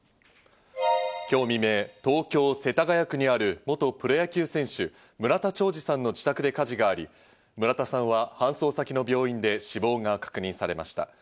今日未明、東京・世田谷区にある元プロ野球選手・村田兆治さんの自宅で火事があり、村田さんは搬送先の病院で死亡が確認されました。